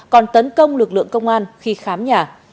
còn tấn công lực lượng công an khi khám nhà